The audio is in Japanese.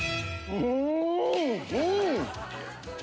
うん！